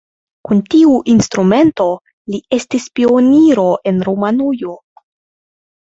Kun tiu instrumento li estis pioniro en Rumanujo.